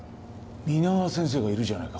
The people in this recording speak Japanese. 皆川先生がいるじゃないか。